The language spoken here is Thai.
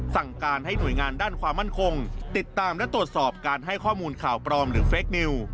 สั่งการให้หน่วยงานด้านความมั่นคงติดตามและตรวจสอบการให้ข้อมูลข่าวปลอมหรือเฟคนิว